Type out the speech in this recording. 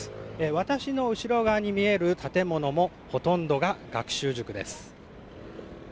私の後ろ側に見える建物もほとんどが学習塾です。